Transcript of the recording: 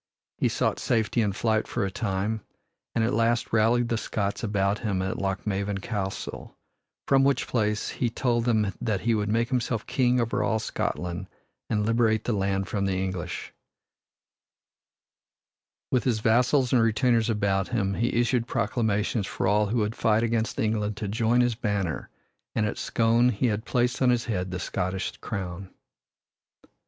He sought safety in flight for a time, and at last rallied the Scots about him at Lochmaven Castle, from which place he told them that he would make himself King over all Scotland and liberate the land from the English yoke. With his vassals and retainers about him, he issued proclamations for all who would fight against England to join his banner, and at Scone he had placed on his head the Scottish crown.